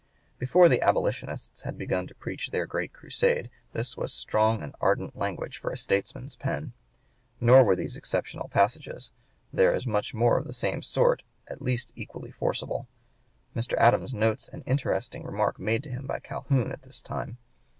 Before the Abolitionists had begun to preach their great crusade this was strong and ardent language for a statesman's pen. Nor were these exceptional passages; there is much more of the same sort at least equally forcible. Mr. Adams notes an interesting remark made to him by Calhoun at this time.